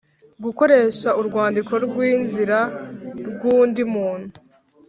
gukoresha urwandiko rw’inzira rw’undi muntu